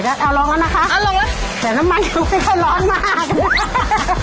แตกน้ำมันกันเร็วเข้อนร้อนมาก